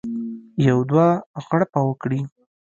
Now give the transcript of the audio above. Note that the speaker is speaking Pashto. یو دوه غړپه وکړي.